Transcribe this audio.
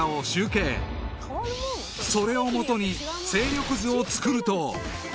［それをもとに勢力図を作ると］